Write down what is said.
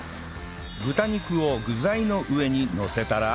豚肉を具材の上にのせたら